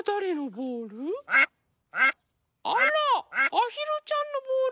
あひるちゃんのボール？